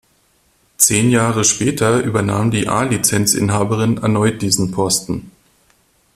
Zehn Jahre später übernahm die A-Lizenzinhaberin erneut diesen Posten.